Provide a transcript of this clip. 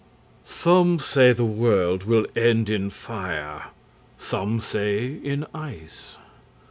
SOME say the world will end in fire, Some say in ice.